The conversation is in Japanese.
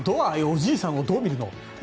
ああいうおじいさんをどう見るの？